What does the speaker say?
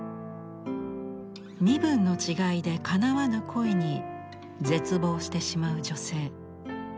身分の違いでかなわぬ恋に絶望してしまう女性。